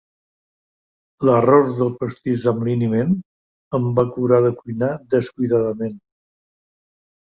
L'error del pastís amb liniment em va curar de cuinar descuidadament.